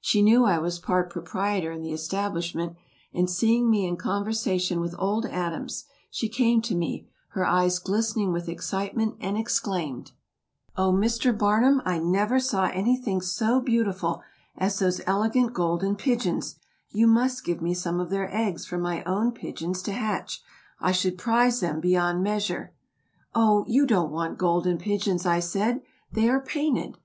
She knew I was part proprietor in the establishment, and seeing me in conversation with Old Adams, she came to me, her eyes glistening with excitement, and exclaimed "Oh, Mr. Barnum, I never saw anything so beautiful as those elegant "Golden Pigeons"; you must give me some of their eggs for my own pigeons to hatch; I should prize them beyond measure." "Oh, you don't want 'Golden Pigeons,'" I said; "they are painted."